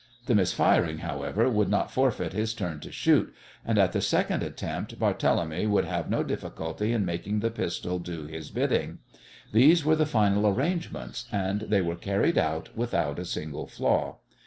The misfiring, however, would not forfeit his turn to shoot, and at the second attempt Barthélemy would have no difficulty in making the pistol do his bidding. These were the final arrangements, and they were carried out without a single flaw.